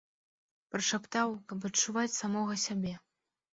Прашаптаў, каб адчуваць самога сябе.